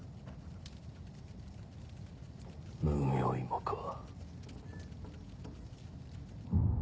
無名異もか。